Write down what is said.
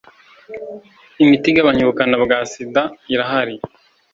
imiti igabanya ubukana bwa sida irahari